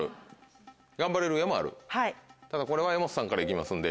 ただこれは柄本さんから行きますんで。